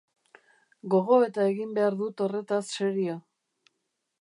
Gogoeta egin behar dut horretaz serio.